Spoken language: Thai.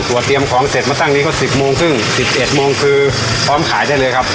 เตรียมของเสร็จมาตั้งนี้ก็๑๐โมงครึ่ง๑๑โมงคือพร้อมขายได้เลยครับ